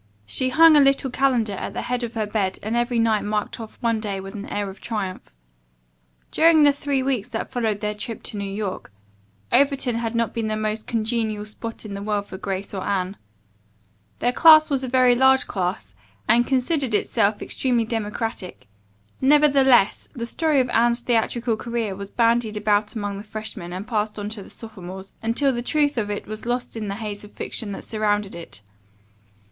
She hung a little calendar at the head of her bed and every night marked off one day with an air of triumph. During the three weeks that followed their trip to New York, Overton had not been the most congenial spot in the world for Grace or Anne. 19 was a very large class, and considered itself extremely democratic; nevertheless, the story of Anne's theatrical career was bandied about among the freshmen and passed on to the sophomores, until the truth of it was lost in the haze of fiction that surrounded it.